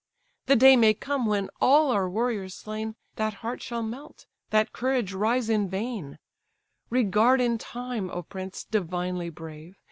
The day may come, when, all our warriors slain, That heart shall melt, that courage rise in vain: Regard in time, O prince divinely brave!